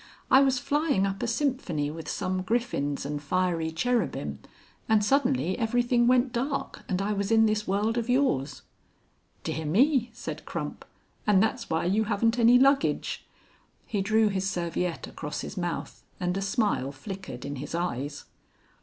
"I was flying up a symphony with some Griffins and Fiery Cherubim, and suddenly everything went dark and I was in this world of yours." "Dear me!" said Crump. "And that's why you haven't any luggage." He drew his serviette across his mouth, and a smile flickered in his eyes.